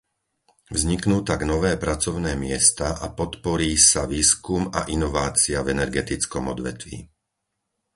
Vzniknú tak nové pracovné miesta a podporí sa výskum a inovácia v energetickom odvetví.